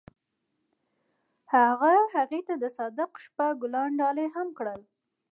هغه هغې ته د صادق شپه ګلان ډالۍ هم کړل.